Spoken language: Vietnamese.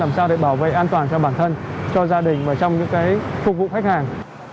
làm sao để bảo vệ an toàn cho bản thân cho gia đình và trong những cái phục vụ khách hàng